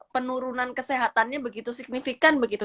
penurunan kesehatannya begitu signifikan begitu